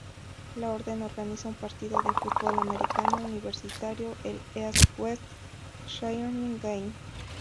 La orden organiza un partido de fútbol americano universitario, el "East-West Shrine Game".